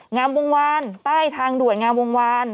งามวงวานใต้ทางด่วนงามวงวาน